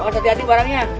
awas hati hati barangnya